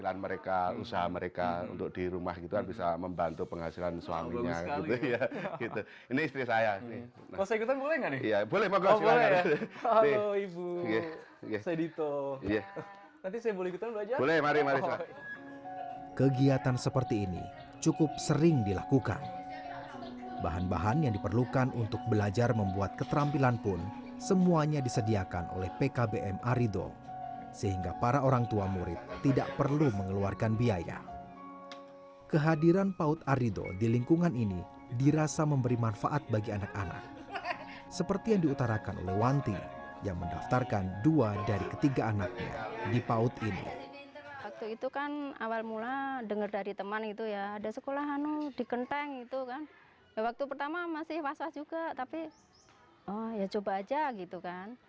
selama dua tahun nah ternyata setelah anak saya yang kedua nomor dua yang masuk ke sini itu masuk ke sini selama dua tahun ternyata setelah anak saya yang kedua nomor dua yang masuk ke sini itu masuk ke sini selama dua tahun